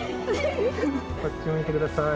こっち向いて下さい。